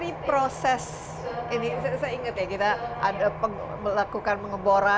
his bod lengthnya lebih dua puluh lima gen bruce